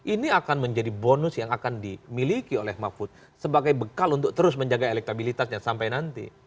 ini akan menjadi bonus yang akan dimiliki oleh mahfud sebagai bekal untuk terus menjaga elektabilitasnya sampai nanti